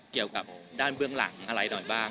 เกี่ยวกับด้านเบื้องหลังอะไรหน่อยบ้าง